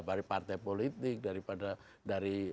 dari partai politik daripada dari basis masanya